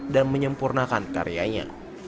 dan menyempurnakan karyanya